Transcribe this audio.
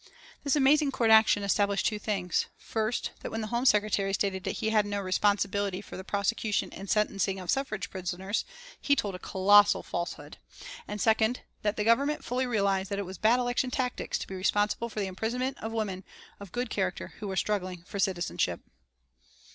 This amazing court action established two things: First, that when the Home Secretary stated that he had no responsibility for the prosecution and sentencing of Suffrage prisoners, he told a colossal falsehood; and second, that the Government fully realised that it was bad election tactics to be responsible for the imprisonment of women of good character who were struggling for citizenship.